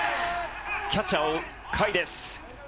キャッチャー、追う甲斐です。